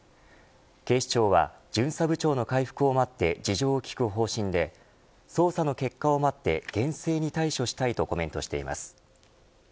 警視庁は巡査部長の回復を待って事情を聴く方針で捜査の結果を待って、厳正に対処したいとコメントしています。